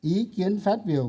ý kiến phát biểu